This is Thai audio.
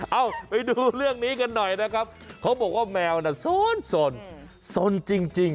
เอ้าไปดูเรื่องนี้กันหน่อยนะครับเขาบอกว่าแมวน่ะสนสนสนจริง